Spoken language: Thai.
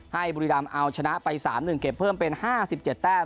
บุรีรำเอาชนะไป๓๑เก็บเพิ่มเป็น๕๗แต้ม